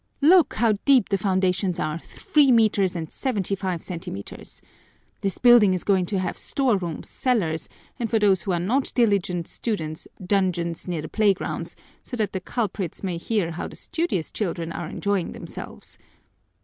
Look how deep the foundations are, three meters and seventy five centimeters! This building is going to have storerooms, cellars, and for those who are not diligent students dungeons near the playgrounds so that the culprits may hear how the studious children are enjoying themselves.